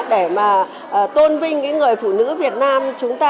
để mà tôn vinh những người phụ nữ việt nam